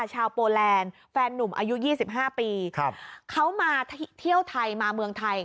ชาวโปแลนด์แฟนหนุ่มอายุยี่สิบห้าปีครับเขามาเที่ยวไทยมาเมืองไทย